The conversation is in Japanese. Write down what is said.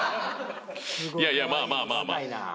いやいやまあまあまあまあ。